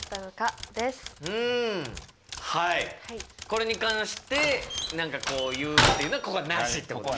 これに関して何か言うというのはここはなしってこと？